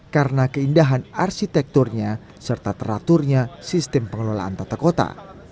karena keindahan arsitekturnya serta teraturnya sistem pengelolaan tata kota